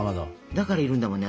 だからいるんだもんね